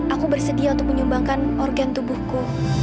aku bersedia untuk menyumbangkan organ tubuhku